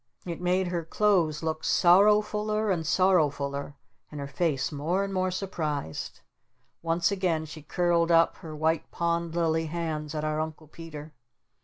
It made her clothes look sorrowfuller and sorrowfuller and her face more and more surprised. Once again she curled up her white pond lily hands at our Uncle Peter.